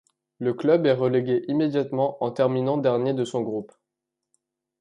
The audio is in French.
Le club est relégué immédiatement en terminant dernier de son groupe.